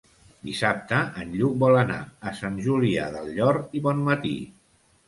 Dissabte en Lluc vol anar a Sant Julià del Llor i Bonmatí.